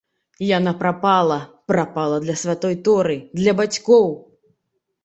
Яна прапала, прапала для святой торы, для бацькоў.